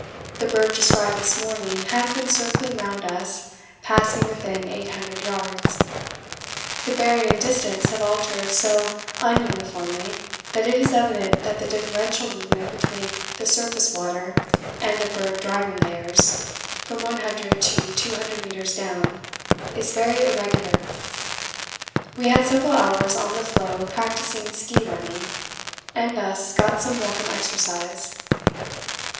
The berg described this morning has been circling round us, passing within 800 yards; the bearing and distance have altered so un uniformly that it is evident that the differential movement between the surface water and the berg driving layers (from 100 to 200 metres down) is very irregular. We had several hours on the floe practising ski running, and thus got some welcome exercise.